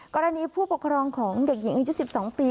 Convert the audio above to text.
กรณีผู้ปกครองของเด็กหญิงอายุ๑๒ปี